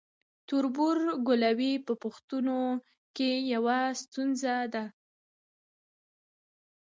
تربورګلوي په پښتنو کې یوه ستونزه ده.